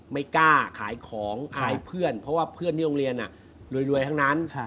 ไม่กล้าขายของขายเพื่อนเพราะว่าเพื่อนที่โรงเรียนรวยทั้งนั้น